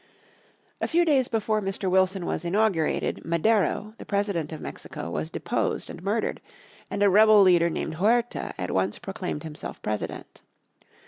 A few days before Mr. Wilson was inaugurated, Madero, the President of Mexico, was deposed and murdered, and a rebel leader named Huerta at once proclaimed himself President.